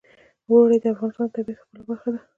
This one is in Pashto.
اوړي د افغانستان د طبیعت د ښکلا برخه ده.